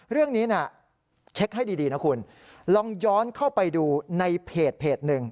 เรื่องนี้เช็คให้ดีนะคุณลองย้อนเข้าไปดูในเพจหนึ่ง